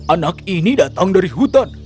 anak ini datang dari hutan